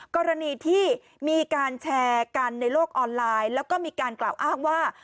กรณีที่มีการแชร์กันในโลกออนไลน์แล้วก็มีการกล่าวอ้างว่า